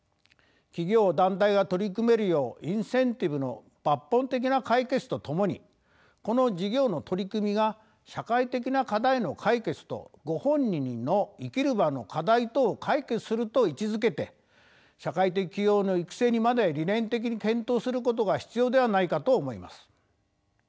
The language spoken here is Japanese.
企業団体が取り組めるようインセンティブの抜本的な解決とともにこの事業の取り組みが社会的な課題の解決とご本人の生きる場の課題とを解決すると位置づけて社会的企業の育成にまで理念的に検討することが必要ではないかと思います。